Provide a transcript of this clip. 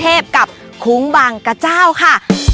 ดิฉันใบตองรัชตวรรณโธชนุกรุณค่ะ